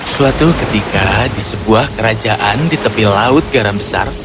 suatu ketika di sebuah kerajaan di tepi laut garam besar